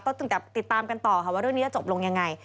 ต้องติดตามกันต่อว่าเรื่องนี้จะจบลงอย่างไร